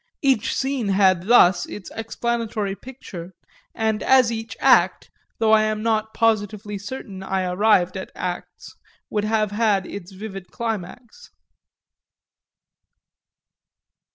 Every scene had thus its explanatory picture, and as each act though I am not positively certain I arrived at acts would have had its vivid climax.